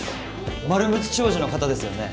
丸睦商事の方ですよね？